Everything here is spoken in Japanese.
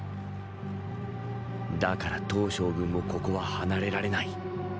だから騰将軍もここは離れられない。